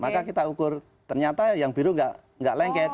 maka kita ukur ternyata yang biru nggak lengket